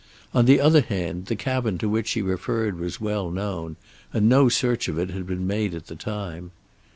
On the other hand, the cabin to which she referred was well known, and no search of it had been made at the time.